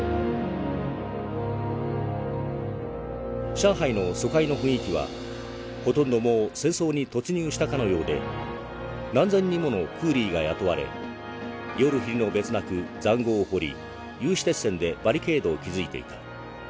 「上海の租界の雰囲気はほとんどもう戦争に突入したかのようで何千人もの苦力が雇われ夜昼の別なく塹壕を堀り有刺鉄線でバリケードを築いていた。